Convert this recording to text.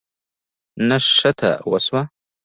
نښته وسوه.